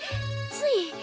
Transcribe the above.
つい。